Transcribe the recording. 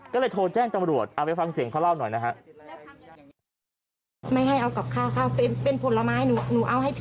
ก็เลยโทรแจ้งตำรวจเอาไปฟังเสียงเขาเล่าหน่อยนะฮะ